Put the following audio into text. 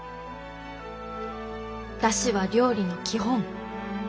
出汁は料理の基本。